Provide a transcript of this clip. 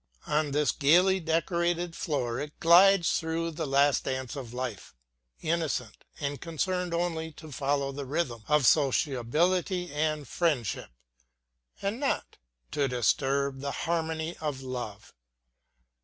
On this gaily decorated floor it glides through the light dance of life, innocent, and concerned only to follow the rhythm of sociability and friendship, and not to disturb the harmony of love.